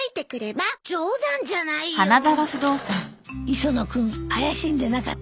磯野君怪しんでなかった？